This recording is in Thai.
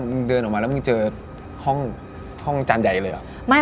เดินออกมาแล้วมึงเจอห้องอาจารย์ใหญ่เลยเหรอ